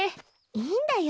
いいんだよ。